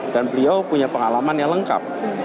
dan beliau punya pengalaman yang lengkap